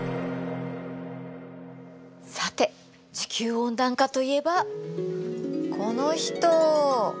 さて地球温暖化といえばこの人。